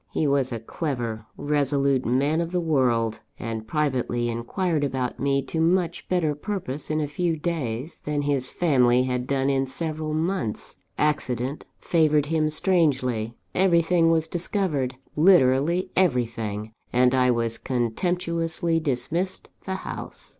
He was a clever, resolute man of the world, and privately inquired about me to much better purpose in a few days, than his family had done in several months. Accident favoured him strangely, everything was discovered literally everything and I was contemptuously dismissed the house.